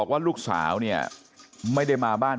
กระดิ่งเสียงเรียกว่าเด็กน้อยจุดประดิ่ง